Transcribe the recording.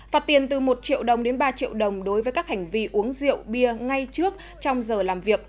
phạt tiền từ một triệu đồng đến ba triệu đồng đối với các hành vi uống rượu bia ngay trước trong giờ làm việc